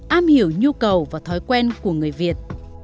am hiểu nhu cầu và thói quen của người việt